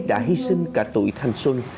đã hy sinh cả tuổi thanh xuân